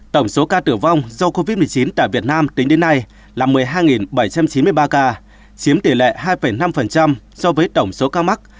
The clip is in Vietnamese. tổng số ca tử vong do covid một mươi chín tại việt nam tính đến nay là một mươi hai bảy trăm chín mươi ba ca chiếm tỷ lệ hai năm so với tổng số ca mắc